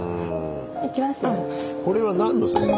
これは何の写真？